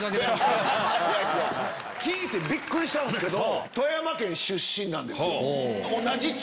聞いてびっくりしたんすけど。